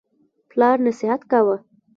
پلار نصیحت کاوه.